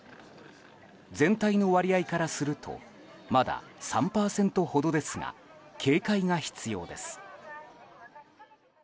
全体の割合からするとまだ３％ほどですが警戒が必要です。